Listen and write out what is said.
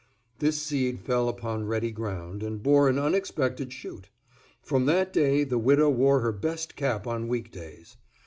This seed fell upon ready ground, and bore an unexpected shoot. From that day the widow wore her best cap on week days.